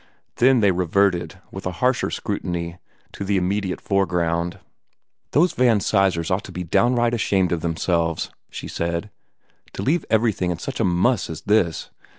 Then they reverted, with a harsher scrutiny, to the immediate foreground. "Those Van Sizers ought to be downright ashamed of themselves," she said, "to leave everything in such a muss as this.